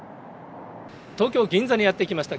東京・銀座にやって来ました。